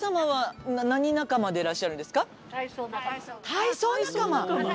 体操仲間！